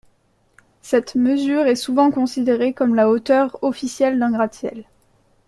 Cette mesure est souvent considérée comme la hauteur officielle d'un gratte-ciel.